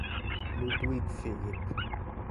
Ludwig Philipp